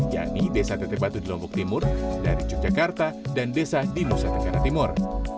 yakni desa tetepatu di lombok timur dari yogyakarta dan desa dinusa tenggara timur